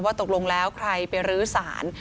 ว่าตกลงแล้วใครไปลื้อศาล